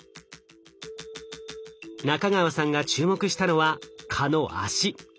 仲川さんが注目したのは蚊の脚。